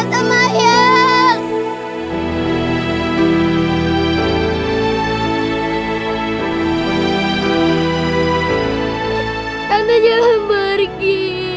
tante jangan pergi